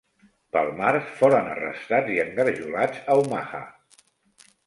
Pel març foren arrestats i engarjolats a Omaha.